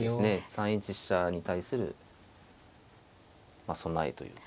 ３一飛車に対するまあ備えというか。